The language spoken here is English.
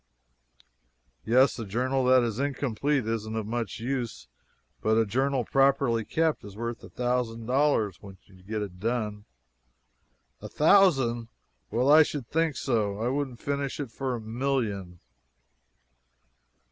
"Yes, a journal that is incomplete isn't of much use, but a journal properly kept is worth a thousand dollars when you've got it done." "A thousand! well, I should think so. I wouldn't finish it for a million."